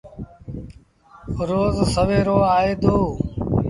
روز سويرو آئي دو۔